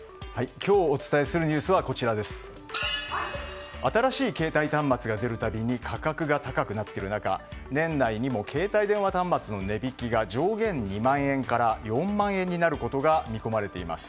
今日お伝えするニュースは新しい携帯端末が出るたびに価格が高くなっている中年内にも携帯電話端末の値引きが上限２万円から４万円になることが見込まれています。